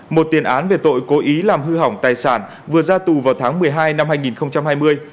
một tiền án về tội cố ý làm hư hỏng tài sản vừa ra tù vào tháng một mươi hai năm hai nghìn hai mươi